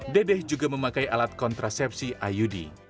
dedeh juga memakai alat kontrasepsi iud